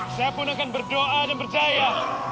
saya pun akan berdoa dan percaya